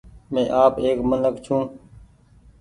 مين آپ ايڪ منک ڇون۔